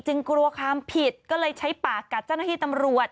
กลัวความผิดก็เลยใช้ปากกัดเจ้าหน้าที่ตำรวจ